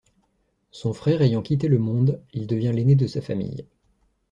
Son frère ayant quitté le monde, il devient l'aîné de sa famille.